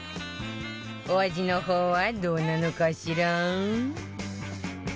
お味の方はどうなのかしら？